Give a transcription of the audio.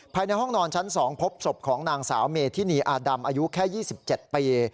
ภายในห้องนอนชั้น๒พบศพของนางสาวเมธินีอาดำอายุแค่๒๗ปี